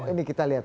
ini kita lihat